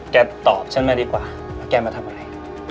แกตอบฉันไหมดีกว่าแล้วแกมาทำอะไร